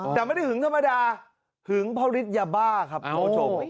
แต่ไม่ได้หึงธรรมดาหึงเพราะฤทธิยาบ้าครับคุณผู้ชม